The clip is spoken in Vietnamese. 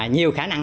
nhiều khả năng